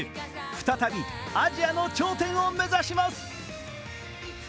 再びアジアの頂点を目指します。